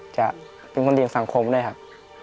จะเป็นคนดีสังคมด้วยครับ